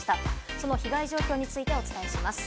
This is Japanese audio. その被害状況についてお伝えします。